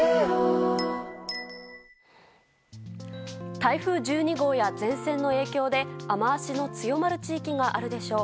台風１２号や前線の影響で雨脚の強まる地域があるでしょう。